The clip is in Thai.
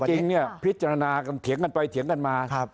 ซึ่งจริงพิจารณาเถียงกันไปเถียงกันมา